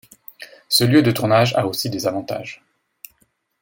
Ce lieu de tournage a aussi des avantages.